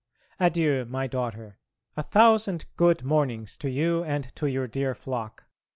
Adieu, my daughter, a thousand good mornings to you and to your dear flock.